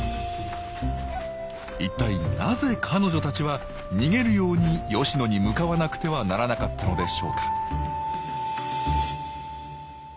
一体なぜ彼女たちは逃げるように吉野に向かわなくてはならなかったのでしょうか